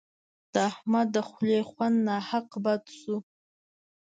د احمد د خولې خوند ناحق بد سو.